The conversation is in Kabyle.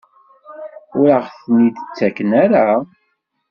Ur aɣ-ten-id-ttaken ara?